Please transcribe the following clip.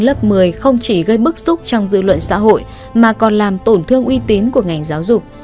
lớp một mươi không chỉ gây bức xúc trong dư luận xã hội mà còn làm tổn thương uy tín của ngành giáo dục